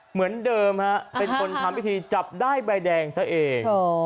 เหมือนเดิมฮะเป็นคนทำพิธีจับได้ใบแดงซะเอง